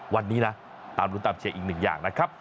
วันนี้นะตามรุ้นตามเชียร์อีกหนึ่งอย่างนะครับ